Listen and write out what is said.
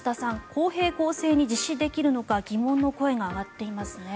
公平、公正に実施できるのか疑問の声が上がっていますね。